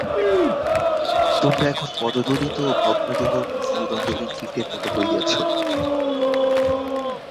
তোমরা এখন পদদলিত, ভগ্নদেহ, মেরুদণ্ডহীন কীটের মত হইয়াছ।